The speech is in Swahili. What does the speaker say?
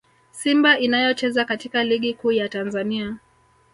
Simba inayocheza katika Ligi Kuu ya Tanzania